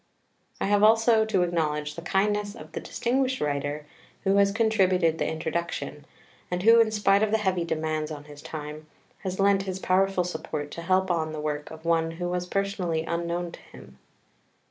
I have also to acknowledge the kindness of the distinguished writer who has contributed the Introduction, and who, in spite of the heavy demands on his time, has lent his powerful support to help on the work of one who was personally unknown to him.